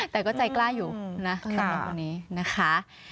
แต่ก็ใจกล้าอยู่นะในวันนี้นะคะ